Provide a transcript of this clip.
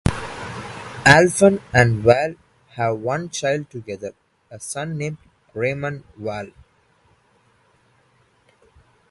Alphen and Wahl have one child together, a son named Raymond Wahl.